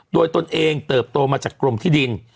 โดยตนเองเติบโตมาจากกรมที่ดิน